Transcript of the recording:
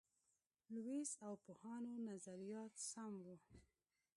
لویس او پوهانو نظریات سم وو.